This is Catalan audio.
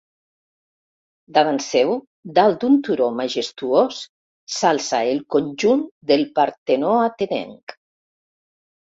Davant seu, dalt d'un turó majestuós, s'alça el conjunt del Partenó atenenc.